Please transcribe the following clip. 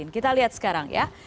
kita lihat sekarang ya